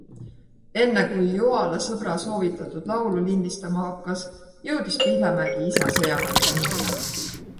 Enne kui Joala sõbra soovitatud laulu lindistama hakkas, jõudis Pihlamägi ise sõjaväkke minna.